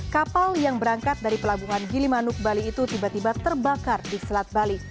kapal yang berangkat dari pelabuhan gilimanuk bali itu tiba tiba terbakar di selat bali